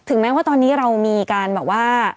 แม้ว่าตอนนี้เรามีการแบบว่า